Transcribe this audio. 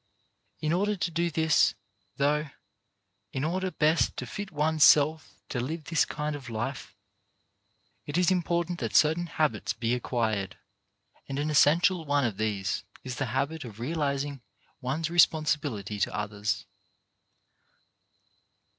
In order to do this, though, in order best to fit one's self to live this kind of life, it is important that certain habits be ac quired ; and an essential one of these is the habit of realizing one's responsibility to others.